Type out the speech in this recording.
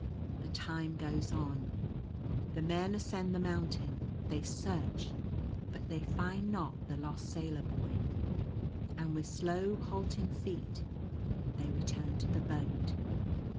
The time goes on. The men ascend the mountain ; they search, but they find not the lost Sailor Boy, and with slow, halting feet they return to the boat.